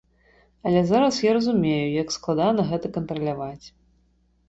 Але зараз я разумею, як складана гэта кантраляваць.